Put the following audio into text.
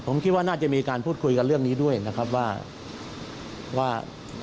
ผมคิดว่าน่าจะมีการพูดคุยกันเรื่องนี้ด้วยนะครับว่า